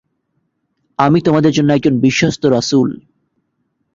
আমি তোমাদের জন্যে একজন বিশ্বস্ত রাসূল।